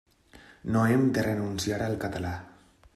No hem de renunciar al català.